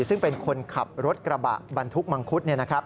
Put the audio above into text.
ซึ่งเป็นคนขับรถกระบะบรรทุกมังคุด